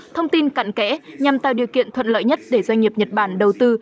thông tin cận kẽ nhằm tạo điều kiện thuận lợi nhất để doanh nghiệp nhật bản đầu tư